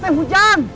kemana udah hujan